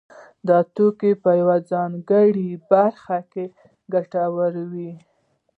دا توکي په یوه ځانګړې برخه کې ګټور وي